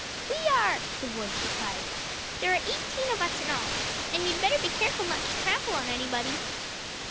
"We are!" the voice replied. "There are eighteen of us in all. And you'd better be careful not to trample on anybody."